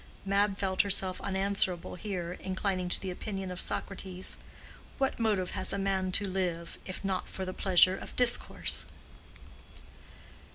Mab felt herself unanswerable here, inclining to the opinion of Socrates: "What motive has a man to live, if not for the pleasure of discourse?"